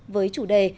với chủ đề